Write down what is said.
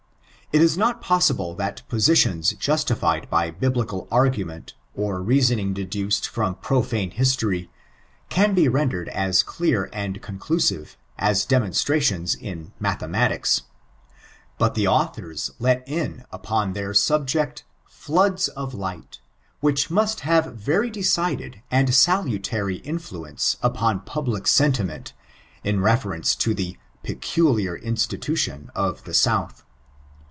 It is not poaaible that positiona joatifled by faibUcal aign* mentf or reaaoning deduced fiom profane hiatoiy, can be rendered aa dear and ooDcloaive aa demonatratioQa in mathematica ; bat the aadxm let in vpon their aabject, flooda of liglit^ which nrait hare Tery decided and aalatary influence npon public aentiment in reference to tiie "peooliar inttitation" of the Sooth.